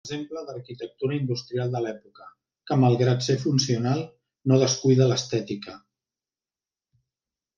És un exemple d'arquitectura industrial de l'època que malgrat ser funcional no descuida l'estètica.